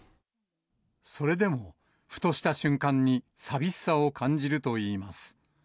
それでも、ふとした瞬間に、寂しさを感じるといいます。